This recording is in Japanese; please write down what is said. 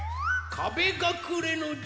かべがくれのじゅつ！